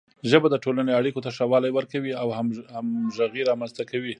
ژبه د ټولنې اړیکو ته ښه والی ورکوي او همغږي رامنځته کوي.